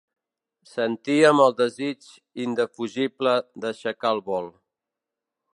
Sentíem el desig indefugible d'aixecar el vol.